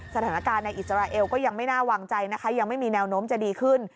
สถานการณ์ในอิสราเอลก็ยังไม่น่าวางใจนะคะยังไม่มีแนวโน้มจะดีขึ้น